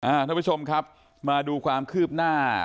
ท่านผู้ชมครับมาดูความคืบหน้า